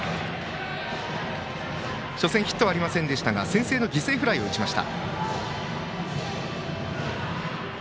初戦ヒットはありませんでしたが先制の犠牲フライを打ちました。